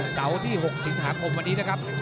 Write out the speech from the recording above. เสาร์ที่๖สิงหาคมวันนี้นะครับ